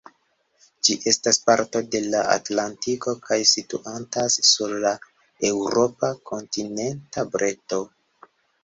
Ĝi estas parto de la Atlantiko kaj situantas sur la eŭropa kontinenta breto.